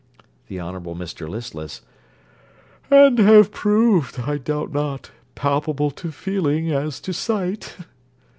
THE HONOURABLE MR LISTLESS And have proved, I doubt not, 'palpable to feeling as to sight.'